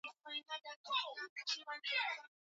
wa unaoishia katika Atlantiki Lakini mkono wa